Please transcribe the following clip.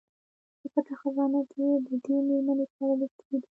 په پټه خزانه کې یې د دې میرمنې په اړه لیکلي دي.